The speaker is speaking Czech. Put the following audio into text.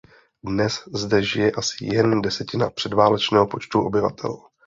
Dnes zde žije asi jen desetina předválečného počtu obyvatel.